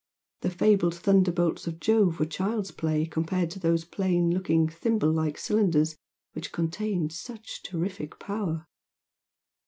The fabled thunderbolts of Jove were child's play compared with those plain looking, thimble like cylinders which contained such terrific power!